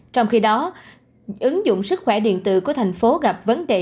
trong khi đó ứng dụng sức khỏe điện tử của thành phố gặp vấn đề